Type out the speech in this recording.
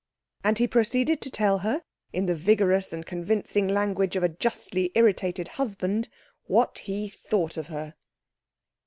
And he proceeded to tell her, in the vigorous and convincing language of a justly irritated husband, what he thought of her.